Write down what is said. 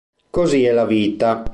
Così è la vita".